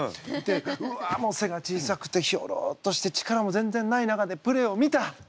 わあせが小さくてヒョロっとして力も全然ない中でプレーを見た。